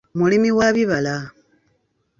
Mulimi wa bibala.